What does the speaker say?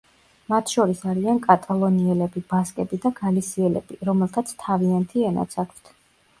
მათ შორის არიან კატალონიელები, ბასკები და გალისიელები, რომელთაც თავიანთი ენაც აქვთ.